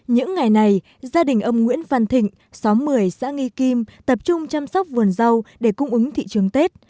những ngày này gia đình ông nguyễn văn thịnh xóm một mươi xã nghi kim tập trung chăm sóc vườn rau để cung ứng thị trường tết